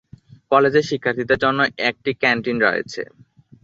কলেজে শিক্ষার্থীদের জন্য একটি ক্যান্টিন রয়েছে।